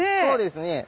そうですね。